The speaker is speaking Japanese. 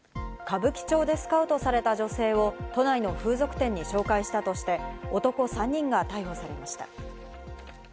歌舞伎町でスカウトされた女性を都内の風俗店に紹介したとして男３人が逮捕されました。